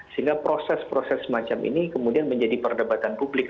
sehingga proses proses semacam ini kemudian menjadi perdebatan publik